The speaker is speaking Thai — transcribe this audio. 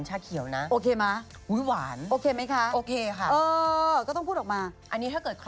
ชาเขียวเข้าไปอีก